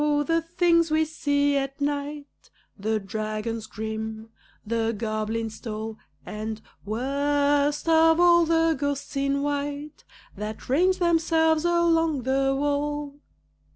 the things we see at night The dragons grim, the goblins tall, And, worst of all, the ghosts in white That range themselves along the wall!